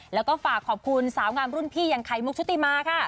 แล้วก็ฝากขอบคุณสาวงามรุ่นพี่อย่างไข่มุกชุติมาค่ะ